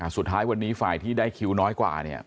สุดท้ายวันนี้ฝ่ายที่ได้คิวน้อยกว่าเนี่ย